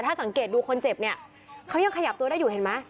ถ้าสังเกตดูคนเจ็บเนี่ยเขายังขยับตัวได้อยู่เห็นไหม